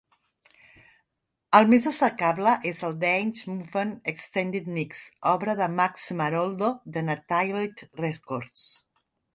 El més destacable és el "Dance Movement Extended Mix", obra de Max Maroldo de Nitelite Records.